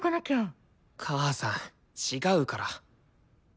母さん違うから！